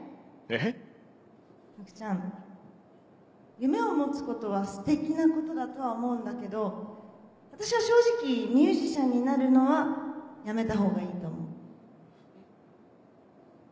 夢を持つことはステキなことだとは思うんだけど私は正直ミュージシャンになるのはやめたほうがいいと思う。